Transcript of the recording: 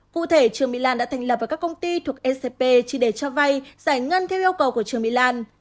cụ thể trương mỹ lan đã thành lập và các công ty thuộc scp chỉ để cho vai giải ngân theo yêu cầu của trương mỹ lan